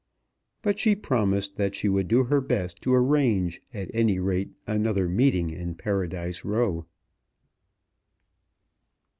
But she promised that she would do her best to arrange at any rate another meeting in Paradise Row.